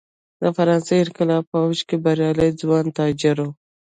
د فرانسې انقلاب په اوج کې بریالي ځوان تاجر و.